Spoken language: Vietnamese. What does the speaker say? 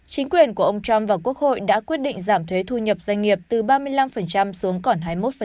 chính quyền của ông trump và quốc hội đã quyết định giảm thuế thu nhập doanh nghiệp từ ba mươi năm xuống còn hai mươi một